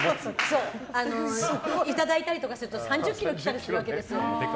いただいたりすると３０ｋｇが来たりとかするわけですよ。